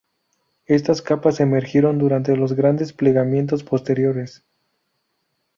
Estas capas emergieron durante los grandes plegamientos posteriores.